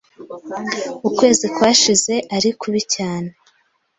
Ukwezi kwashize ari kubi cyane.